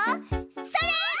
それ！